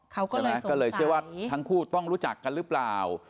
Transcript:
ก็เลยเชื่อว่าทั้งคู่ต้องรู้จักกันรึเปล่า